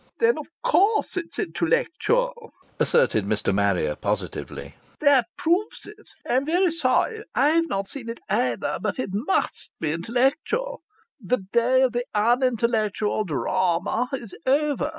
"Then of course it's intellectual!" asserted Mr. Marrier, positively. "That proves it. I'm very sorry I've not seen it either; but it must be intellectual. The day of the unintellectual drahma is over.